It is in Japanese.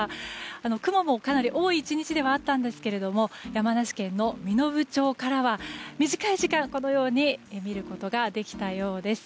雲もかなり多い１日ではあったんですが山梨県の身延町からは短い時間このように見ることができたようです。